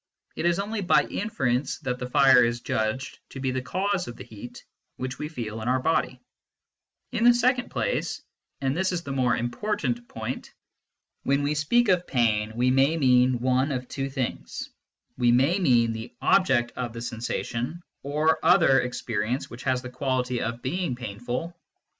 It is only by inference that the fire is judged to be the cause of the heat which we feel in our body. In the second place (and this is the more im portant point), when we speak of pain we may mean one of two things : we may mean the object of the sensation or other experience which has the quality of being painful, 1 First dialogue between Hylas and Philonous, Works (Fraser s edition IQOT).